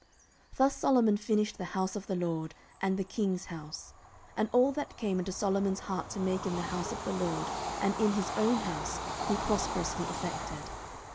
14:007:011 Thus Solomon finished the house of the LORD, and the king's house: and all that came into Solomon's heart to make in the house of the LORD, and in his own house, he prosperously effected.